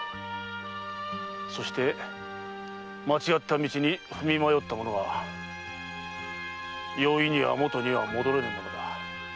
そして間違った道に踏み迷った者は容易にはもとには戻れぬものだ。